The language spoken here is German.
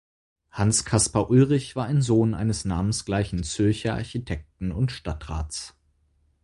Hans Caspar Ulrich war ein Sohn eines namensgleichen Zürcher Architekten und Stadtrats.